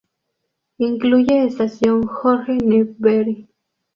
Incluye Estación Jorge Newbery.